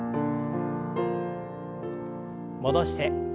戻して。